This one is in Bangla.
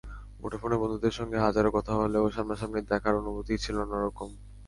মুঠোফোনে বন্ধুদের সঙ্গে হাজারো কথা হলেও সামনাসামনি দেখার অনুভূতিই ছিল অন্য রকম।